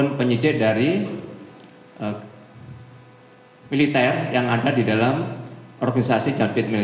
atau penyidik dari militer yang ada di dalam organisasi jump it mill